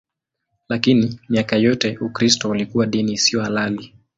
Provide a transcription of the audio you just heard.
Lakini miaka yote Ukristo ulikuwa dini isiyo halali.